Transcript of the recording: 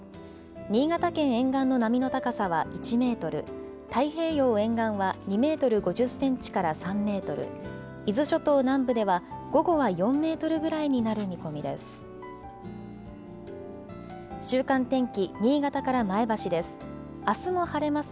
新潟県沿岸の波の高さは１メートル、太平洋沿岸は２メートル５０センチから３メートル、伊豆諸島南部では午後は４メートルぐらいになる見込みです。